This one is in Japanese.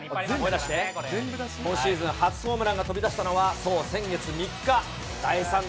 今シーズン初ホームランが飛び出したのは、そう、先月３日。